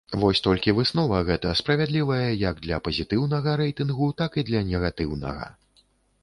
Вось толькі выснова гэта справядлівая як для пазітыўнага рэйтынгу, так і для негатыўнага.